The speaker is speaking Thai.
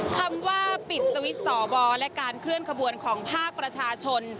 คำว่าปิดสวิตช์สอวอและการเคลื่อนขบวนของภาคประชาชน